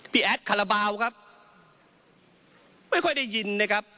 พี่แอดขลบาวครับไม่ค่อยได้ยินนะครับ